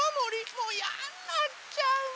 もうやんなっちゃうわ。